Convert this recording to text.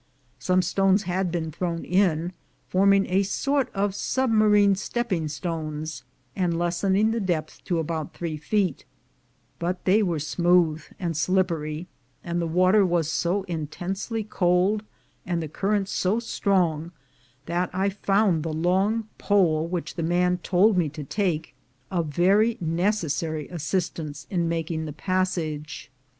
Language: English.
Some stones had been thrown in, forming a sort of submarine stepping stones, and lessening the depth to about three feet; but they were smooth and slippery, and the water was so intensely cold, and the current so strong, that I found the long pole which the man told me to take a very necessary assistance in making the passage.